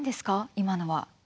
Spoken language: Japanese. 今のは。